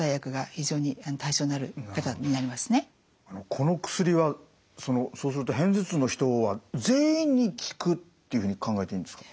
この薬はそうすると片頭痛の人は全員に効くっていうふうに考えていいんですか？